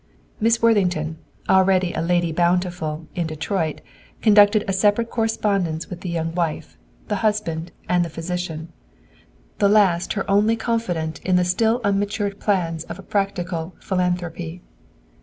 Miss Worthington, already a Lady Bountiful, in Detroit, conducted a separate correspondence with the young wife, the husband, and the physician, the last her only confidant in the still unmatured plans of a practical philanthropy.